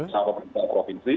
sama pemerintah provinsi